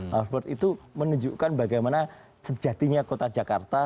half bird itu menunjukkan bagaimana sejatinya kota jakarta